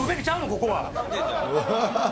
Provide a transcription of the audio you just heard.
ここは。